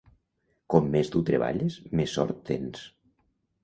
Com més dur treballes, més sort tens.